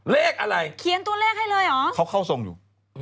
เลขอะไรเขาเข้าทรงอยู่